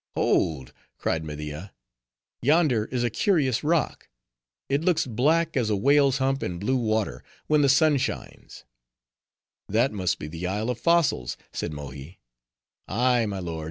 "Hold!" cried Media, "yonder is a curious rock. It looks black as a whale's hump in blue water, when the sun shines." "That must be the Isle of Fossils," said Mohi.